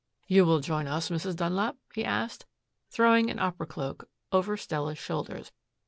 "You will join us, Mrs. Dunlap?" he asked, throwing an opera cloak over Stella's shoulders.